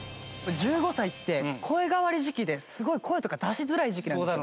１５歳って声変わり時期ですごい声とか出しづらい時期なんですよ。